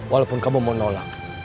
walaupun kamu mau nolak